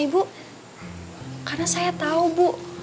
nah ibu karena saya tau bu